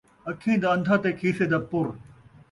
اَکھیں دا ان٘دھا تے کھیسے دا پُر